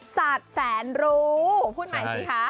สัตว์แสนรู้พูดใหม่สิคะ